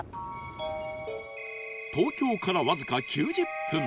東京からわずか９０分